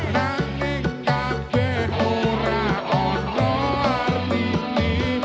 rangitkan bergurau doa arti